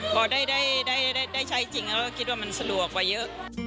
พอได้ใช้จริงแล้วก็คิดว่ามันสะดวกกว่าเยอะ